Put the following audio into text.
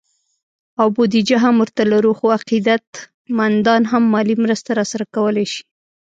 او بودیجه هم ورته لرو، خو عقیدت مندان هم مالي مرسته راسره کولی شي